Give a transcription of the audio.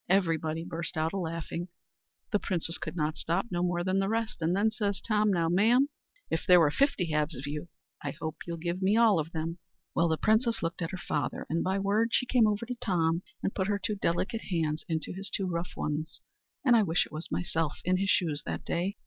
Everybody burst out a laughing the princess could not stop no more than the rest; and then says Tom, "Now, ma'am, if there were fifty halves of you, I hope you'll give me them all." Well, the princess looked at her father, and by my word, she came over to Tom, and put her two delicate hands into his two rough ones, and I wish it was myself was in his shoes that day!